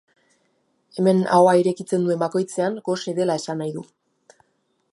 Hemen ahoa irekitzen duen bakoitzean gose dela esan nahi du.